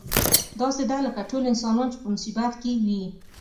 داسې ده لکه ټول انسانان چې په مصیبت کې وي.